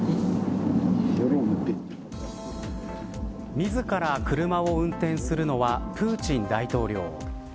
自ら車を運転するのはプーチン大統領。